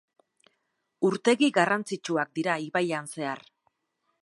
Urtegi garrantzitsuak dira ibaian zehar.